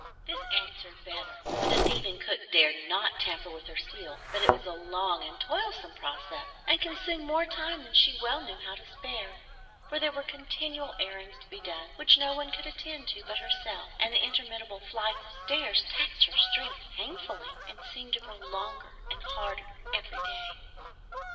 This answered better, for the thieving cook dared not tamper with her seal; but it was a long and toilsome process, and consumed more time than she well knew how to spare, for there were continual errands to be done which no one could attend to but herself, and the interminable flights of stairs taxed her strength painfully, and seemed to grow longer and harder every day.